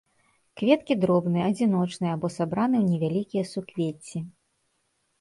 Кветкі дробныя, адзіночныя або сабраны ў невялікія суквецці.